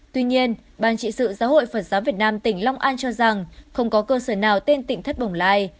tuy nhiên ban trị sự giáo hội phật giáo việt nam tỉnh long an cho rằng không có cơ sở nào tên tỉnh thất bồng lai